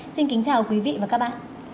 xin kính chào quý vị và các bạn